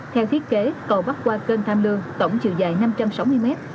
theo thiết kế cầu bắt qua cơn tham lương tổng chiều dài năm trăm sáu mươi mét